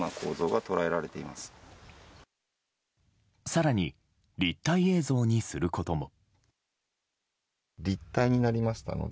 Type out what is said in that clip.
更に、立体映像にすることも。